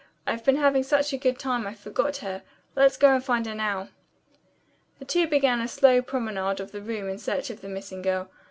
"I've been having such a good time I forgot her. Let's go and find her now." The two began a slow promenade of the room in search of the missing girl.